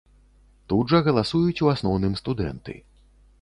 Тут жа галасуюць у асноўным студэнты.